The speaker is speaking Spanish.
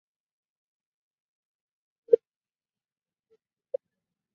Como curiosidad, existen multitud de guiños y cameos.